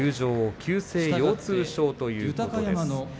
急性腰痛症ということです。